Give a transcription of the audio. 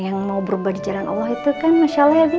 yang mau berubah di jalan allah itu kan masya allah ya